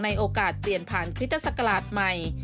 โอกาสเปลี่ยนผ่านคริสตศักราชใหม่